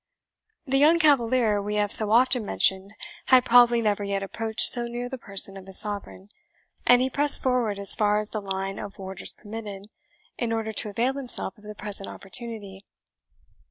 The young cavalier we have so often mentioned had probably never yet approached so near the person of his Sovereign, and he pressed forward as far as the line of warders permitted, in order to avail himself of the present opportunity.